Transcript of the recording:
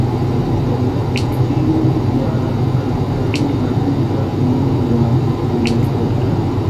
El ili, la kataluna estas nun la plej forta.